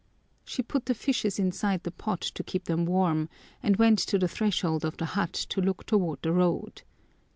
She put the fishes inside the pot to keep them warm and went to the threshold of the hut to look toward the road.